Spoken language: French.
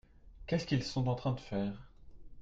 Qu'est-ce qu'ils sont en train de faire ?